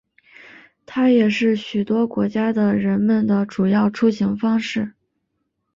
它也是许多国家的人们的主要出行方式。